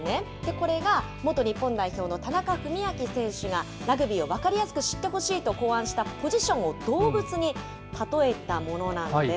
これが元日本代表の田中史朗選手がラグビーを分かりやすく知ってほしいと考案したポジションを動物に例えたものなんです。